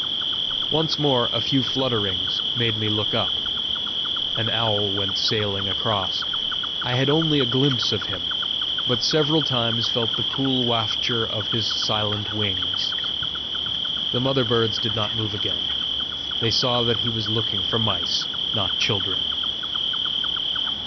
Once more a few flutterings made me look up: an owl went sailing across. I had only a glimpse of him, but several times felt the cool wafture of his silent wings. The mother birds did not move again; they saw that he was looking for mice, not children.